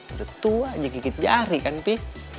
udah tua aja gigit jari kan pi